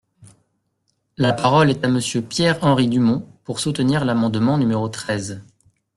La parole est à Monsieur Pierre-Henri Dumont, pour soutenir l’amendement numéro treize.